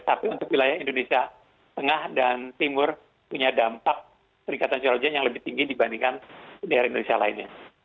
tapi untuk wilayah indonesia tengah dan timur punya dampak peningkatan curah hujan yang lebih tinggi dibandingkan daerah indonesia lainnya